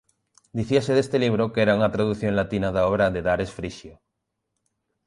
Dicíase deste libro que era unha tradución latina da obra de Dares Frixio.